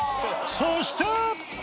そして